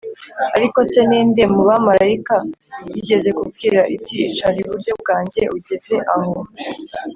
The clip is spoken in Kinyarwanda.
Ariko se ni nde mu bamarayika yigeze kubwira iti icara iburyo bwanjye ugeze aho